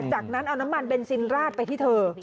จากนั้นเอาน้ำมันเบนซินราดไปที่เธอ